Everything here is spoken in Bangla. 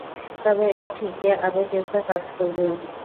তবে এটা ঠিক যে আবেগ একটা কাজ করবেই।